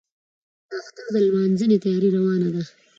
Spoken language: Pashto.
د اختر د لمانځنې تیاري روانه وه.